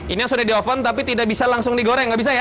ini yang sudah di oven tapi tidak bisa langsung digoreng nggak bisa ya